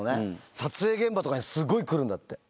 撮影現場とかにすごい来るんだって。